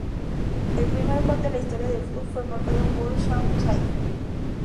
El primer gol en la historia del club fue marcado por Shaun Saiko.